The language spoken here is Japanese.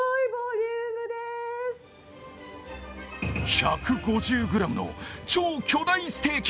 １５０ｇの超巨大ステーキ。